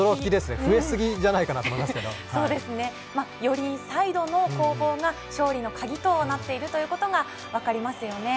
増え過ぎじゃないかとよりサイドの攻防が勝利の鍵となっているということが分かりますよね。